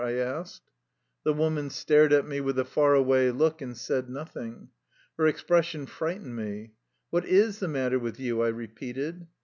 I asked. The woman stared at me with a far away look and said nothing. Her expression frightened me. "What is the matter with you?'' I repeated.